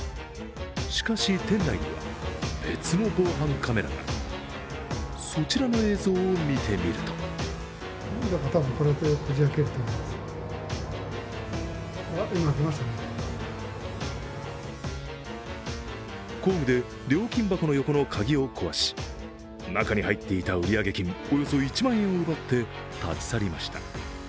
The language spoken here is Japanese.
しかし店内には、別の防犯カメラがそちらの映像を見てみると工具で料金箱の横の鍵を壊し中に入っていた売上金、およそ１万円を奪って立ち去りました。